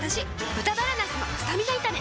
「豚バラなすのスタミナ炒め」